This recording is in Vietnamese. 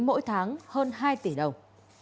mỗi tháng hơn hai tỷ đồng